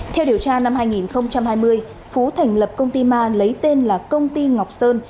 theo điều tra năm hai nghìn hai mươi phú thành lập công ty ma lấy tên là công ty ngọc sơn